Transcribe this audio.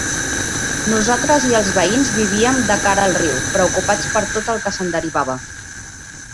Nosaltres i els veïns vivíem de cara al riu, preocupats per tot el que se'n derivava.